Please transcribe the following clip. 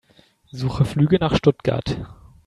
Suche Flüge nach Stuttgart.